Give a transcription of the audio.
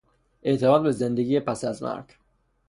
اعتماد به زندگی پس از مرگ